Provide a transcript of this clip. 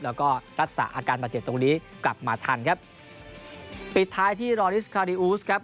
แล้วก็รักษาอาการบาดเจ็บตรงนี้กลับมาทันครับปิดท้ายที่รอลิสคาริอูสครับ